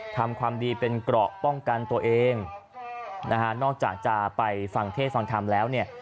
ทำความดีเป็นเกราะป้องกันตัวเองนะฮะนอกจากจะไปฟังเทศฟังธรรมแล้วเนี่ย